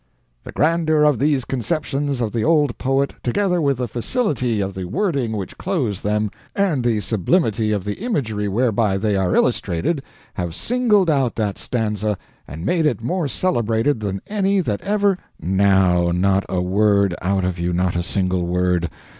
The grandeur of these conceptions of the old poet, together with the felicity of the wording which clothes them, and the sublimity of the imagery whereby they are illustrated, have singled out that stanza, and made it more celebrated than any that ever ["Now, not a word out of you not a single word.